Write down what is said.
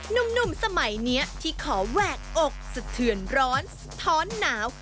หนุ่มสมัยนี้ที่ขอแหวกอกสะเทือนร้อนสะท้อนหนาว